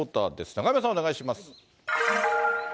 中山さん、お願いします。